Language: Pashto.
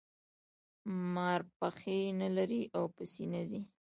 مار پښې نلري او په سینه ځي